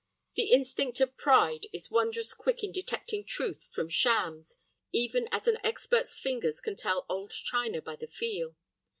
The instinct of pride is wondrous quick in detecting truth from shams, even as an expert's fingers can tell old china by the feel.